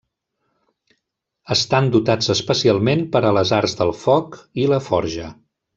Estan dotats especialment per a les arts del foc i la forja.